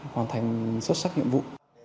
hoàn thành xuất sắc nhiệm vụ